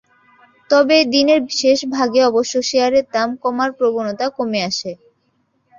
তবে দিনের শেষ ভাগে অবশ্য শেয়ারের দাম কমার প্রবণতা কমে আসে।